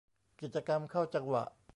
กิจกรรมเข้าจังหวะ